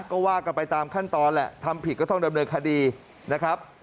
ก็ว่ากันไปตามขั้นตอนแหละทำผิดก็ต้องดำเนินคดีนะครับ